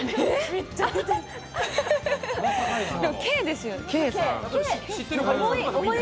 「Ｋ」ですよね？